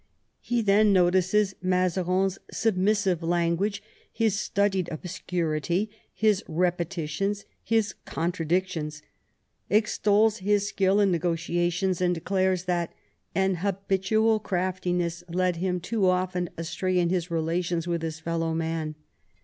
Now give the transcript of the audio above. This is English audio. " He then notices Mazarin's " submissive language, his studied obscurity, his repeti tions, his contradictions," extols his skill in negotiations, and declares that "an habitual craftiness led him too often astray in his relations with his fellow men."